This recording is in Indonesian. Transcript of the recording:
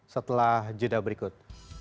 setelah jeda berikut